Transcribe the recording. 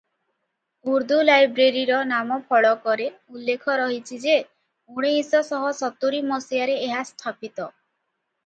ଉର୍ଦ୍ଦୁ ଲାଇବ୍ରେରୀର ନାମଫଳକରେ ଉଲ୍ଲେଖ ରହିଛି ଯେ ଉଣେଇଶ ଶହ ସତୁରୀ ମସିହାରେ ଏହା ସ୍ଥାପିତ ।